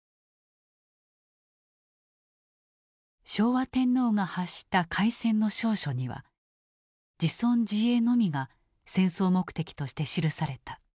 昭和天皇が発した開戦の詔書には自存自衛のみが戦争目的として記された。